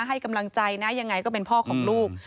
ให้กำลังใจนะยังไงก็เป็นพ่อของลูก